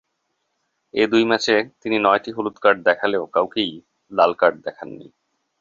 এ দুই ম্যাচে তিনি নয়টি হলুদ কার্ড দেখালেও কাউকে লাল কার্ড দেখাননি।